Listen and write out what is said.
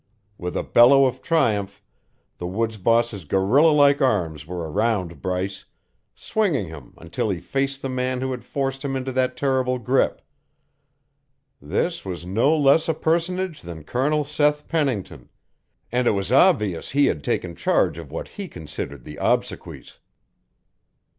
With a bellow of triumph, the woods boss's gorilla like arms were around Bryce, swinging him until he faced the man who had forced him into that terrible grip. This was no less a personage than Colonel Seth Pennington, and it was obvious he had taken charge of what he considered the obsequies.